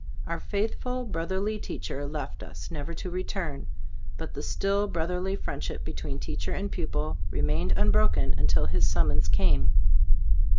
Our faithful, brotherly teacher left us, never to re turn ; but the still brotherly friendship between teacher and pupil remained unbroken until his summons came.